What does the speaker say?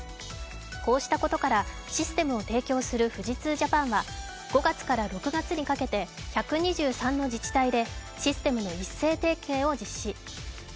こうしたことからシステムを提供する富士通ジャパンは５月から６月にかけて１２３の自治体でシステムの一斉点検を実施。